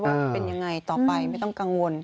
ว่าเป็นยังไงต่อไปไม่ต้องกังวล